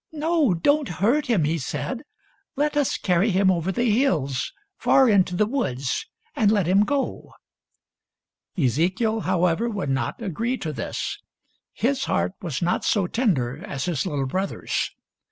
No, don't hurt him," he said. " Let us carry him over the hills, far into the woods, and let him go." Ezekiel, however, would not agree to this. His heart was not so tender as his little brother's.